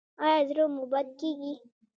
ایا زړه مو بد کیږي؟